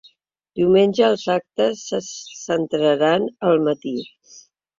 Diumenge els actes se centraran al matí.